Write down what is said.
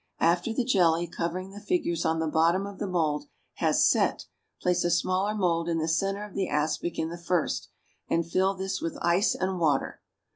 After the jelly covering the figures on the bottom of the mould has "set," place a smaller mould in the centre of the aspic in the first, and fill this with ice and water.